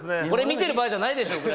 これ見てる場合じゃないでしょ。